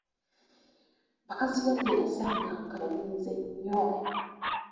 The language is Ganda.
Bakazibaggya yasanganga banyiize nnyo.